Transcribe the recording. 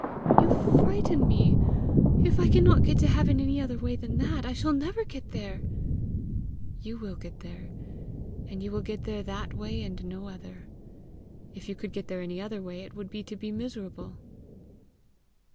"You frighten me! If I cannot get to heaven any other way than that, I shall never get there." "You will get there, and you will get there that way and no other. If you could get there any other way, it would be to be miserable."